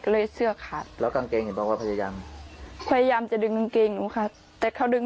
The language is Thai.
เรื่อง